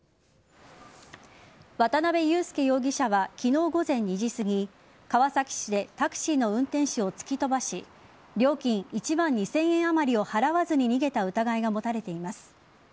渡辺勇介容疑者は昨日午前２時すぎ川崎市でタクシーの運転手を突き飛ばし料金１万２０００円あまりを払わずに逃げた疑いが持たれています。